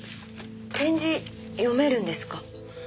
点字読めるんですか？